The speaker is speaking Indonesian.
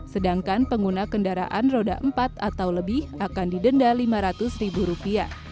sedangkan pengguna kendaraan roda empat atau lebih akan didenda rp lima ratus